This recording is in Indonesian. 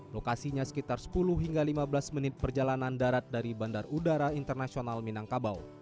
lokasinya sekitar sepuluh hingga lima belas menit perjalanan darat dari bandar udara internasional minangkabau